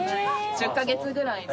１０カ月ぐらい。